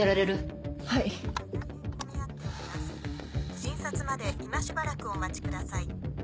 診察まで今しばらくお待ちください。